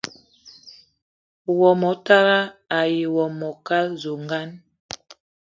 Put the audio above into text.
Wo motara ayi wo mokal zugan